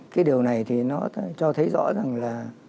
cái điều này thì nó cho thấy rõ rằng là